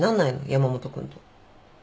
山本君と。